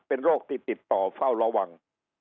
เป็นโรคที่ติดต่อเฝ้าระวัง